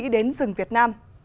đến rừng việt nam